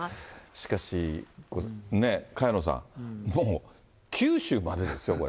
しかしこれ、萱野さん、もう、九州までですよ、これ。